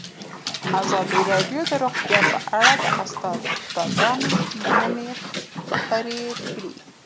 ازادي راډیو د روغتیا په اړه د استادانو شننې خپرې کړي.